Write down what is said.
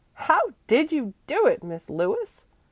"How did you do it, Miss Lewis?"